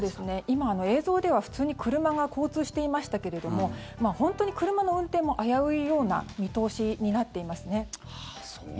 今、映像では普通に車が交通していましたけれども本当に車の運転も危ういような見通しになっていますね。